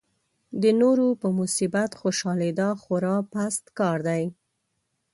د نورو په مصیبت خوشالېدا خورا پست کار دی.